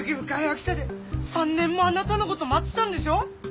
秋田で３年もあなたのこと待ってたんでしょ？